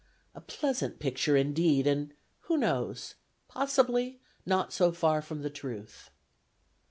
A pleasant picture indeed; and who knows? Possibly not so far from the truth.